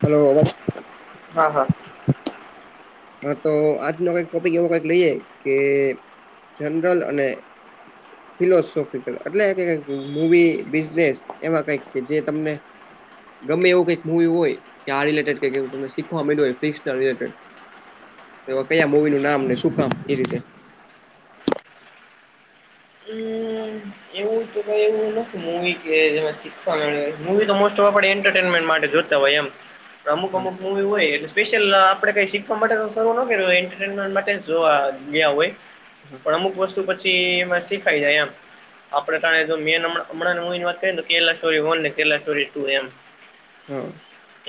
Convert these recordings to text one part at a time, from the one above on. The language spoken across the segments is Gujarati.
હલો, અવાજ હા હા. હા તો આજનો કઈક ટોપિક એવો કઈક લઈએે કે જનરલ અને ફિલોસોફિકલ એટલે મવી, બિઝનેસ એમાં કઈક કે જે તમને ગમે એવું કઈક મુવી હોય કે આ રિલેટેડ કંઈક એવું શીખવાયું મળિયું હોય ફીસના રીલેટેડ. તો કયા મુવી નું નામ ને શું કામ એ રીતે! હમ એવું કઈ એવું નથી મવી કે જેમાં શિક્ષા મેળવે. મવી તો મોસ્ટ ઓફ આપણે એન્ટરટેનમેન્ટ માટે જોતા હોય એમ. અમુક હા અમુક મુ વી હોય. સ્પેશલ આપડે કઈ શીખવા માટે શરૂ ન કર્યું હોય ઈન્ટટેનમેન માટે જોવા ગયા હોય. હા પણ અમુક વસ્તુ પછી એમા શીખાઈ જાય એમ. આપણે તા મેન હમણાં હું વાત કેલા સ્ટોરી વન ને કેલા સ્ટોરી ટુ એમ. હમ.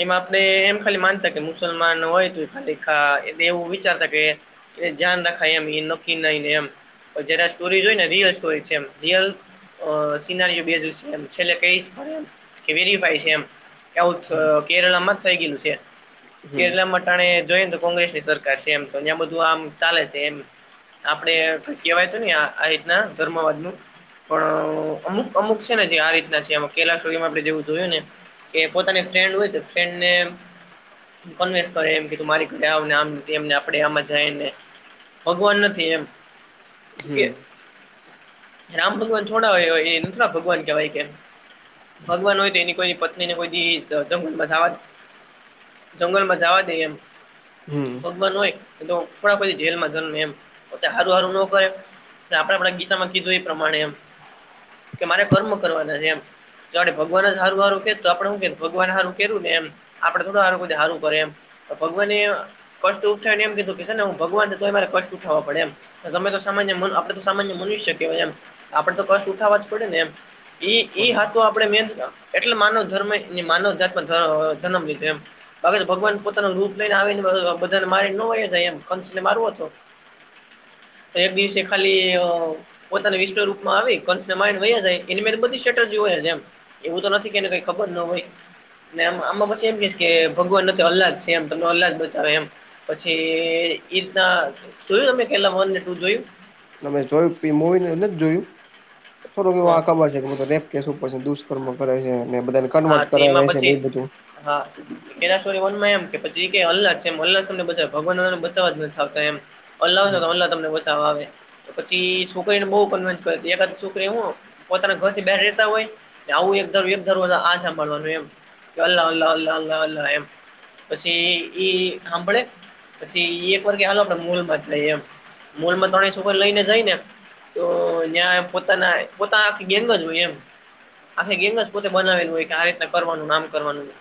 એમાં આપડે એમ ખાલી માનતા કે મુસલમાન હોય તો ખાલી ખા એલે એવું વિચારતા કે એ જાન રખાય એમ ઈ નકી નઈ ને એમ અજરા સ્ટોરી જોય ને રિયસ હોય છે એમ રિયલ અ સિનારીએ બેજુ શે એમ છેલ્લે કેઈશ પળેન કે વેરીફાઈ છે એમ કેઆવુચ હમ કેરળમાં થઈ ગેલુ છે. હમ કેરલામાં અંટાણે જોઈએને તો કોંગ્રેસ ની સરકાર શે એમ તો ન્યા બધું આમ ચાલે છે એમ. આપડે કેવાય તો ની આ આ રિતના ધર્મવાદ નું. પં અમુક અમુક શે ને જે આ રીતના છે એમાં. કેલાશોલેમા આપણે જેવું જોયું ને કે પોતાની ફ્રેન્ડ હોય તો ફ્રેન ને કોનવેસ કરે એમ કે તુ મારી ઘરે આવ ને આમ ને ટેમ ને આપડે આમાં જાયેને ભગવાન નથી એમ. શું કે હમ રામ ભગવાન થોડા હોય અય એ એન થોડા ભગવાન કેવાય કે ભગવાન હોય તો એની કોઈ પત્ની ને કોયદી જંગલમાં જાવા દે. જંગલમાં જાવા દેય એમ હમ ભગવાન હોય થોડા પહી જેલમાં જન્મે એમ. પોતે હારું હારું નો ખવાય આપણે આપડા ગીતા માં કીધું ઈ પ્રમાણે એમ. કે મારે કર્મ કરવાના હે એમ. જો આળી ભગવાન જ હારું હારુ કે તો આપણે હું કે ભગવાન હારું કયરુ ને એમ. આપળે થોરા આરું કોયદી હારું કરે એમ તો ભગવાન એય કષ્ટ ઉઠાઈ ને એમ કીધું કે સે ને હું ભગવાનને તોય મારે કષ્ટ ઉઠાવો પડે એમ. તમે તો સામાન્ય મન આપડે તો સામાન્ય મનુષ્ય કેવાય એમ. આપે તો કશ ઉઠાવવા જ પડે ને એમ. ઈ ઈ હાટુ બરાબર આ મેજ એટલે માનવ ધર્મ ઈની માનવ જાતમાં ધ જનમ લીધો એમ. હવે તો ભગવાન પોતાનું રૂપ લઈને આવીને બધાને મારીને નો વયા જાય એમ કંસને મારવો તો [inaudible] એક દિવસે ખાલી અ પોતાના વિસ્ટ રૂપ માઆવી કંસને મારી ને વયા ઝાય એની મેરે બધી સેટરજી હોયજ એમ. એવું તો નથી કેએને કઈ ખબર નો હોઈ. ને આમાં આમાં પશી એમ કેસ કે ભગવાન નથ અલ્લાદ છે એમ, તમને અલ્લાદ બચાવે એમ. પછી એ ઈતના જ તમે કેરલા વન ને ટુ જોયું? તમે જોય ફ્રિમોનો હોય એટલે નથ જોયું. થોડું હ આ કબર શે કે ઈતો રૅપ કેસ ઉપર શે ડુષ્કર્મ કરે હે ને એબધાને કન્વર્ટ કરાવે સે એ બધું. હં. કેરલા સ્ટોરી વનમાં એમ કે પચી એક અલ્લાહ છે એમ અલ્લાહ જ તમને બચાવે ભગવાનને બચવા જ નથી થતા એમ. અલ્લા હોય ને હમ તો અલ્લા તમને બચાવા આવે તો પછી છોકરીને બોવ કનવેન્સ કરે એકાદિ છો એવું પોતાના ઘરથી બાઈર રેતા હોય, ને આવુ એકધારું એકધારું અને આજ હાભળવાનું રે એમ. ગ લ લ લ લ લ એમ! પશી ઈ હામ્ભળે પછી ઈ એકવાર કે હાલો આપડે મોલમાં જાયે એમ. મોલમાં ત્રણેઅ છોકરીયુ લઈને જાઈ ને તો ન્યા પોતાના પોતા આખી ગેંગ જ હોય એમ. આખી ગેંગ જ પોતે બનાવેલ હોય કે આ રીતના કરવાનું આમ કરવાનું ન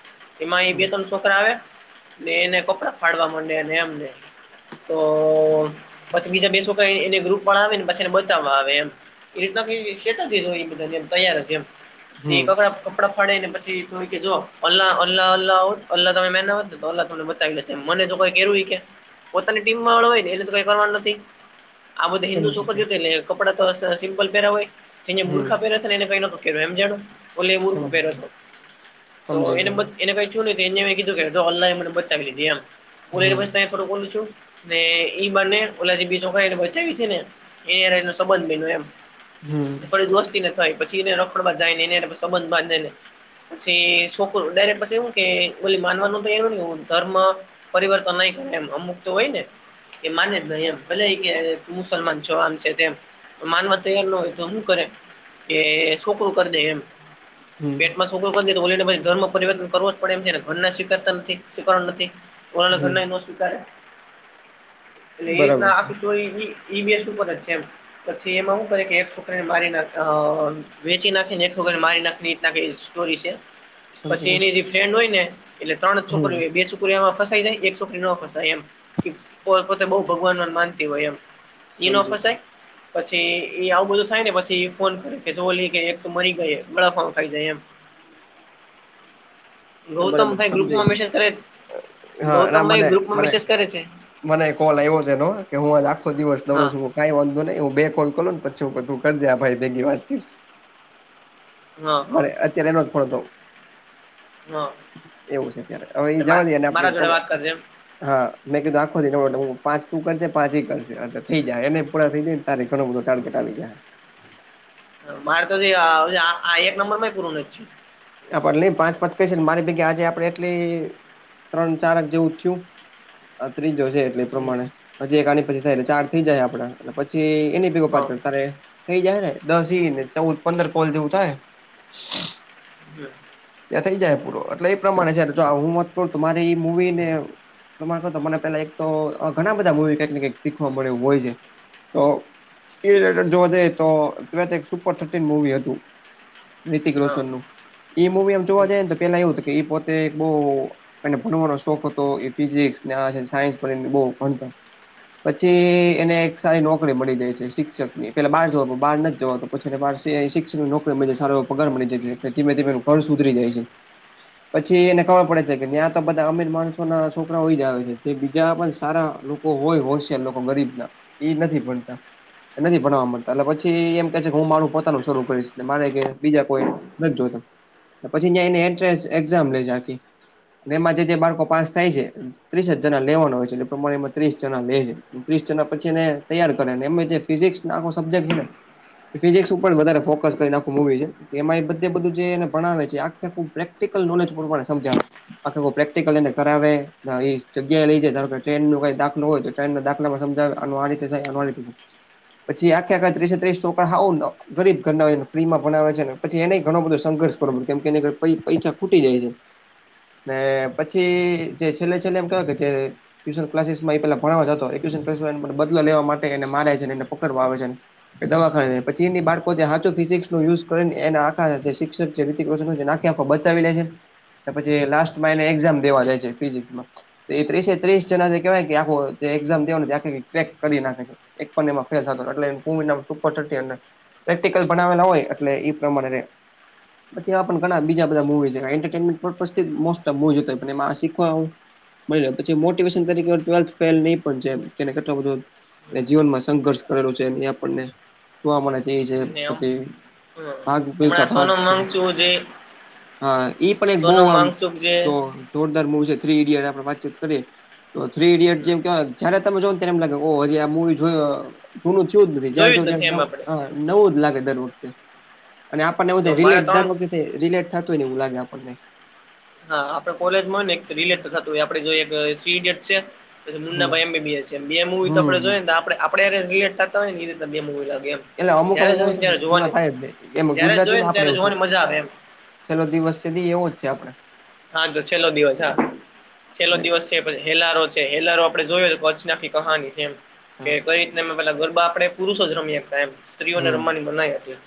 એમાં ઈ હમ બેતન શો છોકરા આવે ને એને કપડા ફાડવા માડે અને એમને તો ઓમ પસી બે શોકરા એ બીજા એને ગ્રુપ પણ આવીને આવીને પસી એને બચાવ આવે એમ. એવી રીત ના સેટ જ હોય. તૈયાર જ એમ. હમ ઈ કપડા કપડા ફાડી ને પછી તુ ઈકે જો અલા અલ્લા અલાહો અલ્લા તમે માયના હોતને તો અલ્લા તમને બચાવી લેત. મને જો કોઈ કેરુ ઈકે પોતાની ટીમ વાળો હોય ને એને તો કઈ કરવાનું નથી. આ બધી હિન્દુ સમજી ગયો છોકરીયુ હતી એટલે કપડા તો સ સિમ્પલ પેયરા હોય! જેનયે હમ બુરખા પેયરા એને કઈ નતુ કેયરુ હેમજાણુ ઓલીયે બુરખો સમજી ગયો પેયરા તો સમજી એને ગયો બત એને થ્યુ ને તો એનયે તો કિધુ કે જો અલ્લા એ મને બચાવી લીધી હું. એમ. થોડુંક ઓલુ થ્યુ ને ઈબાને ઓલાજી બીસોફાએડમા છેને છીને એ એનો સંબંધ બયનો એમ. હમ હમ થોડી દોસ્તીને થાય પછી એને રખડવા જાય ને, એને એને સંબંધ બાંધેને. પછી છોકરું ડાયરેક્ટ પછી હું, કે ઓલી માનવાનું તો એવું ને એવું ધર્મ. પરિવર્તન નય, એમ અમુક તો હોય ને. કે માને જ નહીં એમ ભલે કે મુસલમાન છો, આમ છે તેમ. તૈયાર નો હોય તો શું કરે કે, છોકરું કરી દે એમ. હમ પેટમાં છોકરું કરી દે તો ઓલીને ધર્મ પરિવર્તન કરવું જ પડે એમ છે ને, ઘરના સ્વીકારતા નથી, સ્વીકારવા નથી. [inaudible] હમ બરાબર છે [unintelligible] ઈ બેઝ ઉપર જે છે એમ, પછી એનો કરીને એક છોકરી ને મારી નાખતા, વેચી નાખીને એક છોકરી મારી નાખી એવી રીતના એક સ્ટોરી છે. સમજી પછી ગયો એની જે ફ્રેન્ડ હોય ને એટલે ત્રણ હમ છોકરીઓ હોય. બે છોક છોકરી એમા ફસાઈ જાય. એક છોકરી ન ફસાય એમ, પોતે બહ ભગવાન માનતી હોય એમ. ઈ ન સમજી ગયો ફસાય, પછી એ આવું બધું થાય ને પછી ફોન કરે ઓલી કે એક તો મરી ગઈ, હમણાં ગળફા ખાઈ જાય એમ. ના બરાબર ગૌતમભાઈ સમજાય ગ્રુપમાં ગયું. મેસેજ કરે હા, ના ગૌતમભાઈ મને ગ્રુપમાં મને. મેસેજ કરે છે મને કોલ આવ્યો હતો એનો કે, હું આજ આખો દિવસ નવરો હા જ છું. કઈ વાંધો નહી હું બે કોલ કરું ને પછી બધું કરજે આ ભાઈ બેનની વાત. હા હા ભલે, અત્યારે એનો જ ફોન હતો. હા એવું છે ત્યારે, હવે એ એટલે જવા દઇએ ને આપણે. મારા જોડે વાત કરજે એમ હા મેં કીધું આખો દિ પાંચ તું કરજે પાંચ ઈ કરશે એટલે થઈ જાય એને પૂરા થઈ જાય ને. ત્યારે ઘણો બધો ટાર્ગેટ આવી જાય. મારે તો આ એક નંબરમાં પૂરું નથી થયું. આ પતલી લઈ પાંચ, પાંચ કઈ છે ને મારી ભાગે આજે આપડે એટલી ત્રણ ચારેક જેવું થિયું. આ ત્રીજો છે. એ થયું હમ પ્રમાણે પછી એક આની પછી થાય એટલે ચાર થઈ જાય આપણા, પછી એની ભેગો પાંચ હા કરતાં. થઈ જાય ને, દસ ઈ ને ચૌદ પંદર કોલ જેવું થાય. ગ્યા ત્યાં થઈ જાય પૂરો, એટલે એ પ્રમાણે છે જો જયારે હું મત કરું તો મારી એ મુવીને તમારા કરતાં મને પેલા એક તો ઘણા બધા મૂવી કંઈક ને કંઈક શીખવા મળે એવું હોય છે, તો એ જોવા જયએ તો એક સુપર થર્ટીન મૂવી હતું, રિતિક હા રોશન નું. એમ જોવા જાય ને તો પેલા એવું હતું કે, એ પોતે એક બહુ અને ભણવાનો શોખ હતો, એ ફિઝિક્સ ને આ છે સાયન્સ બંને બો ભણતો. પછી એને એક સારી નોકરી મળી જાય છે, શિક્ષક ની પેલા બહાર જવાનું બહાર નથી જવાતો. પછી [unintelligible] એને શિક્ષણ નોકરી મળી, સારો એવો પગાર મળી જાય છે. ધીમે ધીમે ઘર સુધરી જાય છે. પછી એને ખબર પડે છે કે ત્યાં તો બધા અમીર માણસોના છોકરા હોય જ એજ આવે છે, જે બીજા પણ સારા કો હોય હોશિયાર લોકો ગરીબના એ નથી ભણતા. નથી ભણવા મળતા એટલે પછી, એમ કે છે કે હું મારું પોતાનું શરૂ કરીશને મારે કે બીજા કોઈ. નથ જોયતા, પછી ત્યાં એને એન્ટ્રન્સ એક્ઝામ લે છે આખી, એમાં જે જે બાળકો પાસ થાય છે, ત્રીસ હજારના લેવાનો હોય છે એટલે એ પ્રમાણે એમાં ત્રીસ જણા લે છે. ત્રીસ જણાના પછીને તૈયાર કરે, અને એમને ફિઝિક્સ ને આખો સબ્જેક્ટ છે ને. ફિઝિક્સ ઉપર વધારે ફોકસ કરીને આખું મૂવી છે, એમાં એ બધે બધું જે ભણાવે છે આખે આખું પ્રેક્ટિકલ નોલેજ મોડ પર સમજાવે છે. આખો પ્રેક્ટિકલ એને કરાવે, ઈ જગ્યાએ લઈ જાય, ધારો કે ટ્રેનનું કાય દાખલું હોય છે. ટ્રેનના દાખલામાં સમજાવે આનું આ રીતે થાય આવું આ, [unintelligible] પછી આખે આખા ત્રીસે ત્રીસ છોકરા આવુંને. ગરીબ ઘરના હોય એને ફ્રીમાં ભણાવે છે, પછી એનેય ઘણો બધો સંઘર્ષ. બરોબર, કેમ કે પૈ પૈસા ખૂટી જાય છે. ને પછી જે છેલ્લે -છેલ્લે એમ કેવાય, કેજે, ટ્યુશન ક્લાસીસમાં એ પેલા ભણાવવાએ ટ્યુશન ક્લાસ બદલો લેવા માટે એને મારે છે, એને પકડવા આવે છે. કે દવાખાનામાં પછી એની બાળકો જે હાચો ફિઝિક્સ નુ યુઝ કરેને આખા અ જે શિક્ષક, જે [unintelligible] આંખે આખો બચાવી લે છે, પછી લાસ્ટમાંને એઝામ દેવા જાય છે, ફિઝિક્સ માં, એ ત્રીસે- ત્રીસ જણા જે કેવાય કે આખો એક્ઝામ દે ને આખ ક્રેક કરી નાખે છે. એકપણ એમાં ફેલ થતાં હતો એટલે [unintelligible] સુપર થર્ટી એને, પ્રેક્ટિકલ બનાવેલા હોય એટલે ઈ પ્રમાણે રે, પછીએવા પણ ઘણા બીજા બધા મુવીય એન્ટરટેનમેન્ટ પર્પસ થી મોસ્ટ ઓફ [unintelligible] એમા શીખવા આવે. મળી પછી મોટેવેશન તરીકે, ટુવેલ્થ ફેલ એ પણ છે કેને કેટલોક બધું, [unintelligible] જીવનમાં સંઘર્ષ કરેલો છે, એ આપણને જોવા મળે. જેવી છે, હમ ને આમ પછી, હમ ભાગ હમણાં મિલખા ભાગ. સોનમ વાંગચુક જે ઈ પણ એક બહુ સોનમ આમ વાંગચુક જે જો જોરદાર મુવી છે, થ્રી ઇડિયટ આપણેે વાતચીત કરીએ. તો થ્રી ઈડિયટ હમ જેમ કેવાય જયારે તમે જોને ત્યારે એમ લાગે ઓ હજી આ મુવી જોય. જૂનું થયું જ નથી જોયું જ જયારે નથી નવ એમ આપડે નવું લાગે દર વખતે અને આપણને, એવું તો થાય મારા રિલેટ ત્રણ દર વખતે રિલેટ થતુંયને એવું લાગે આપણને, હા આપડે કોલેજમાં હોયને એક રિલેટ થતું હોય આપડે જોઈ એક થ્રી ઇડિયટ છે, પછી હમ મુન્નાભાઈ એમ બી બી એસ છે, બે મુવીતો હમ આપણેને આપણે આપડે રિલેટ થતા હોય એ રીતે બે મુવી લાગી એમ. એટલે અમુક જયારે અમુક જોય ને મુવીહોય છે, ત્યારે જૂના જોવાની થાય જ નહીં, એમાં જયારે જોય ગુજરાતીમાં ને આપડે ત્યારે એવું છે. જોવાની મજા આવે એમ છેલલો દિવસ છે, દી એવો જ છે, આપડે. હાતો છેલ્લો દિવસ, હા છેલ્લો આપડે દિવસ. છ હેલારો છે, હેલારો આપડે જોયે પંચનાખી કહાની છે, એમ, કે હા કંઈ રીતનેમે પેલા ગરબા આપણેે પુરુષ જ રમી શકતા એમ. સ્ત્રીઓને હમ રમવાની મનાઈ હતી,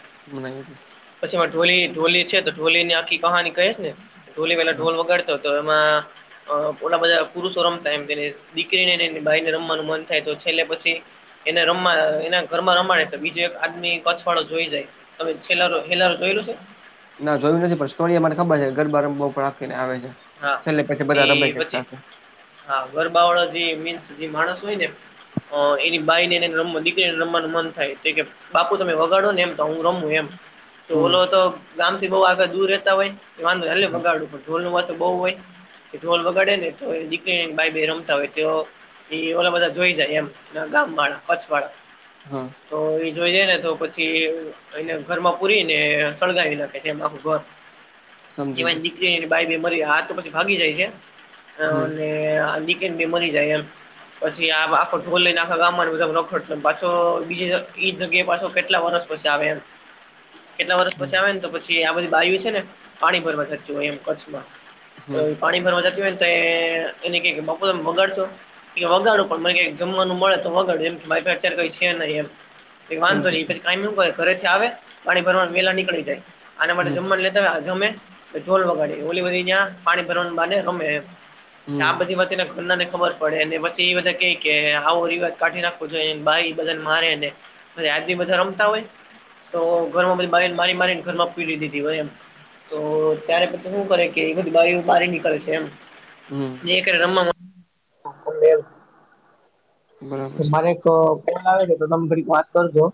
પછી એમાં ઢોલી-ઢોલી છેત, ઢોલીની આખી કહાની કહીશને ઢોલી પેલા હા ઢોલ વગાડતો તો એમાં, અ ઓલા બધા પુરુષો રમતા એમ તેને દીકરીને બાઈને રમવાનું મન થાય તો પછી છેલ્લે પછી, એને રમવાની એના ઘરમાં રમાડ તો બીજેએક આદમી કછવાળો જોઈ જાય. તમે છેલ હેલારો જોયેલો છે, ના જોયું નથી પણ સ્ટોરી અમાને ખબર છે, ગરબા રમે ઉપર આપખીને આવે છે, હા છેલ્લે પછી એ બધા રમે છે, પછી સાથે, હા, ગરબાાવળો જે મીન્સ જે માણસ હોયને, અ એની બાઈને એને રમવા દીકરીને રમવાનું મન થાય તો કેમ, બાપુ તમે વગાડોને એમ તો હું રમું એમ, હમ ઢોલોતો ગામથી બહુ આગળ દૂર રહેતા હોય હાલે બગાડું ઢોલ ન વાત તો બહુ હોય, ઢોલ વગાડે નેતો દીકરી ભાઈ બે રમતા હોય તેઓ, એ ઓલા બધા જોઈ જાય એમ ગામ વાળા કચ્છ વાળા, હા, તોએ જોઈ જાય નેતો પછી, એને ઘરમાં પૂરીને સળગાવી નાખે છે, એમ આખું ઘર. એ સમજી ગયો દિકળી બાઈ બે મરી આતો પછી ભાગી જાય છે, હમ મરી જાય એમ પછી આ આખ ઢોલ લઈને. સલામત બધુખડ પાછો બીજીએ જગ્યાએ પાછો કેટલા વર્સ પછી આવે એમ, કેટલા વર્ષ હમ પછી આવે નેતો પછી આ બધી બાયુ છે, ને પાણી ભરવા થતી હોય એમ. કચ્છમાં તો હમ પાણી ભરવા જતાં હોય નેતો એનેક બાપુ તમે વગાડશો, એ વગાડું પણ મને જમવાનું મળે તો વગાડો એમ મા પા અત્યારે કંઈ છે, નહીં એમ. ગ વાંધો સમજી નહી તો ગયો પછી કાઈ નો કર. આવે પાણી ભરવા વેલા નીકળી જાય આના માટે હમ જમવાનું લેતા હોય જમે પછી ઢોલ વગાડી, ઓલી બધી જ્યાં પાણી ભરવાનું બાને રમે એમ. આ હમ બધી વાતને ઘન્નાને ખબર પડેને પછી એ બધા કે આવો ઓલી વાત કાઢી નાખો. બાઈ બધાને મારેને આજી બધા રમતા હોય, તો ઘરમાં બધી બાને મારી મારીને ઘર માં પીડી દીધી હોય એમ તો ત્યારે પછી, શું કરે કે એ બધી બાઈઓ બારી નીકળે છે એમ હમ એક હારે રમવા મા, [inaudible] તો છે મારે એક કોલ આવે છે તો તમે થડીક વાત કરજો.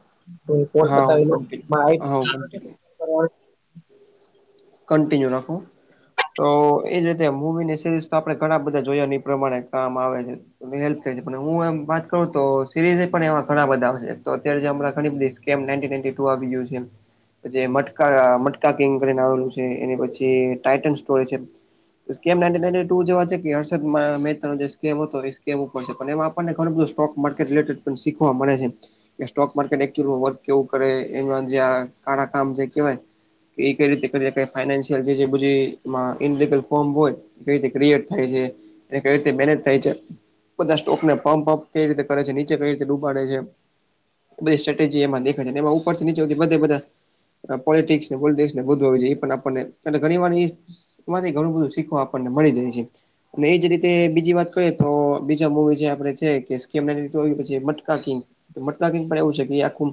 કોલ હા હું પતાવી લો કન્ટિન્યુ હા હું કન્ટિન્યુ પણ [unintelligible] કન્ટિન્યુ રાખો, તો એજ રીતે મુવીની સિરીઝ તો આપણે ઘણા બધા જોયા એ પ્રમાણે કામ આવે છે. હેલ્પ થાય છે પણ હું એમ વાત કરું તો સિરીઝે પણ એવા ઘણા બધા આવે છે તો અત્યારેં જે ઘણી બધી, [unintelligible] તેમ નાઇન્ટી નાઇન્ટી ટુ આવી ગું છે એમ, પ જે મટકા મટકા કિંગ કરીને આવેલું છે એની પછી ટઇટન સ્ટોરી છે. સ્કેમ નાઈનટી નાઇન્ટી ટુ જોવા જે કે હર્ષદ મહેતા [unintelligible] હતો એ સ્કેમ ઉપર છે એ, [unintelligible] [unintelligible] રધું સોક માર્કેટ રીલેટે શીખવા મળે છે કે સ્ટોક માર્કેટ એચ્યુલમાં હોય કેવું કરે એમના જે આ કાળા કામ જે કેવાય, એ કઈ રીતે ફાઈનિશિયલ જે ઇલિ [unintelligible] લ ફોર્મ હોય, કઈ રીતે ક્રિએટ થાય છે અને કઈ રીતે મેનેજ થાય છે. બધા સ્ટોકને પંપ કઈ રીતે કરે છે નીચે કઈ રીતે ડૂબાડે છે. બધ સ્ટ્રેટેજી એમાં દેખાય છે ને એમાં ઉપર થી નીચે બધે બધા, પોલિટિક્સ ને બૂલ દેશ ને બધુ આવી જાય એ પણ આપણને એ ઘણી વાર એ, માંથી ઘણું બધું શીખવા આપણને મળી જાય છે. અને એજ રીતે બીજી વાત કરીએ તો બીજા મુવી જે આપડે છે કે [unintelligible] કેમ પછી મટકા કિંગ, મટકા કિંગ પણ એવું છે કે આખું,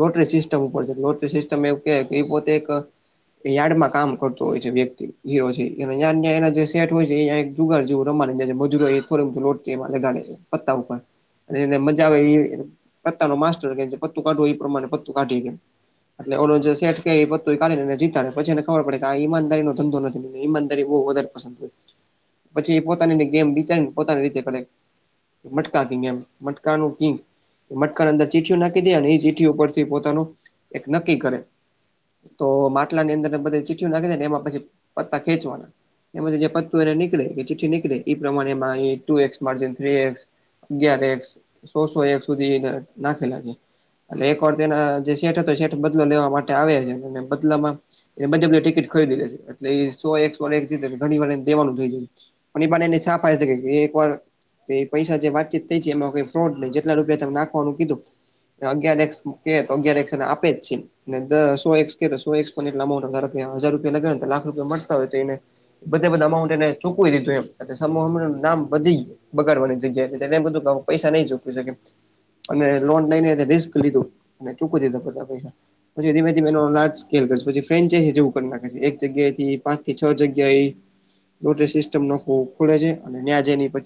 લોટરી સિસ્ટમ ઉપર છે લોટરી સિસ્ટમ એવું કેવાય કે એ પોતે એક, યાર્ડમાં કામ કરતો હોય છે વ્યક્તિ એ હોય છે ને ન્યા ન ન્યા એના જે સેટ હોય છે. જુગાર જેવું રમાવા મજૂરો [unintelligible] થો લોટ લગાડ પત્તા ઉપર, અને એને મજા આવે એ પત્તા નો માસ્ટર હોય છે એને જે પતું કાઢવ એ પ્રમાણે પતું કાઢી લે, એટલે ઓલો જે સેઠ કે એ [unintelligible] કાઢને જીતાડે ને પછીને ખબર પડે કે આ ઈમાનદારી નો ધંધો નથી ઈમાનદારી બહુ વધારે, પછી એ પોતાની ગેમ વિચારીને પોતાની રીતે કરે, મટકા કીંગ એમ મટકાનું કીંગ એ મટકાની અંદર ચીઠ્ઠીઓ નાખી દે અને એ ચીઠી ઉપર, તે પોતાનું એક નક્કી કરે, તો માટલા ની અંદર બધે ચીઠ્ઠી ઓ નાખી દે ને એમાં પછી પત્તા ખેંચવાના, એમાં જે પતું એ નીકળે કે ચઠ્ઠી નીકળે એ પ્રમાણેમાં two x margin two x, અગિયાર એક્સ, સોસો એક સુધી નાખી નાખે અને, તેના જે સેટ હતો શેટ બદલો લેવા માટે આવે છે અને બદલામાં, એ બધે ટિકિટ ખરીદી લે છે એટલે એ સો એક સો [unintelligible] ઘણી વાર એને દેવાનું થય જાય, ની બને ને [unintelligible] શકે એક વાર, તો એ પૈસા જે વાતચીત થઈ છે એમાંઈ ફ્રોડ ન જેટલા રૂપિયા ત નાખવાનું કીધું અગિયાર એક્સ કે તો અગિયાર એક્સ એને આપે જ છે. ને સો એક્સ કે તો સો એક્સ પણ એટલાઉ હજાર રૂપિયા લગાડે ને તો લાખ રૂપિયા મળતા હોય તો એને, બધે બધા અમાઉન્ટ એને ચૂકવી દીધું એમ નામ વધી ગું, બગાડવાની જગ્યા છે તેન એમ બધું પૈસા નહી ઝકવી શકે, અને લોન લઈને રિસ્ક લીધું અને ચૂકી દીધું બધા પૈસા, પછી ધીમે ધીમે એ લાર્જ સ્કેલ કર પછી ફ્રેન્ જેવું કરી નાખે એક જગ્યા થી પાંચ થી છ જગ્યાએ, [unintelligible] સિસ્ટમ ન ખુલેે છે અને ન્યાંજ ની પછી